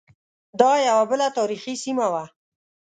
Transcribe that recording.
دا یوه بله تاریخی سیمه وه.